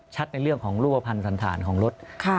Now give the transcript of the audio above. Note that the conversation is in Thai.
ในเรื่องของรูปภัณฑ์สันธารของรถ